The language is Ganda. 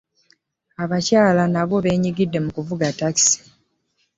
abakyala nabo benyigidde mu kuvuga ttakisi.